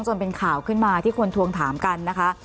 จนเป็นข่าวขึ้นมาที่คนทวงถามกันนะคะ